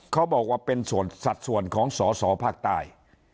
เขาบอกว่าเป็นส่วนสัดส่วนของสอสอภาคใต้